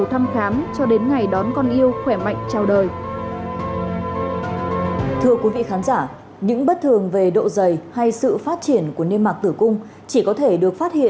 hãy đăng ký kênh để ủng hộ kênh của chúng tôi nhé